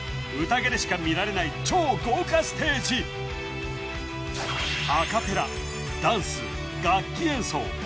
でしか見られない超豪華ステージアカペラ・ダンス・楽器演奏